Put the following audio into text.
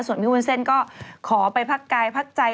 ส่วนพี่วุ้นเส้นก็ขอไปพักกายพักใจ